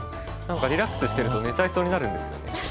何かリラックスしてると寝ちゃいそうになるんですよね。